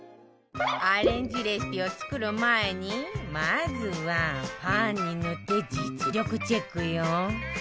アレンジレシピを作る前にまずはパンに塗って実力チェックよ